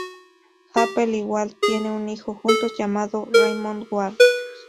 Alphen y Wahl tienen un hijo juntos, llamado Raymond Wahl.